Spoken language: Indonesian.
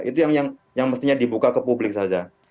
itu yang mestinya dibuka ke publik saja